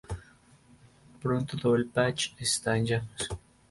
Pronto todo el Patch está en llamas.